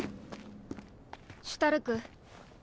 シュタルク。